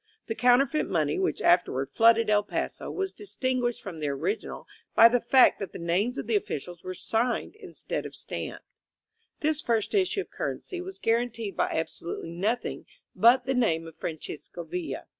The counterfeit money, which afterward flooded El Paso, was distinguished from the original by the fact that the names of the officials were signed instead of stamped. This first issue of currency was guaranteed by abso lutely nothing but the name of Francisco Villa.